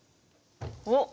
おっ！